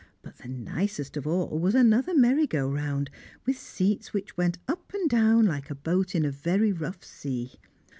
but the nicest of all was another merry go round, with seats which went up and down like a boat in a very rough sea.